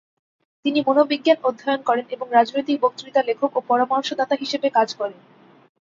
তিনি মনোবিজ্ঞান অধ্যয়ন করেন এবং রাজনৈতিক বক্তৃতা লেখক ও পরামর্শদাতা হিসেবে কাজ করেন।